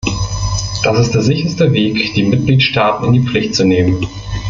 Das ist der sicherste Weg, die Mitgliedstaaten in die Pflicht zu nehmen.